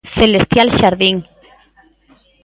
Celestial Xardín.